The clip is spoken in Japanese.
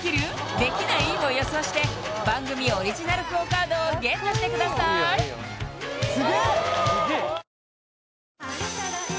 できない？を予想して番組オリジナルＱＵＯカードをＧＥＴしてくださいおや？